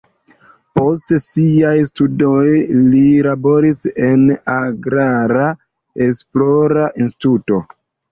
Post siaj studoj li laboris en agrara esplora instituto.